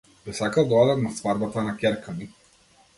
Би сакал да одам на свадбата на ќерка ми.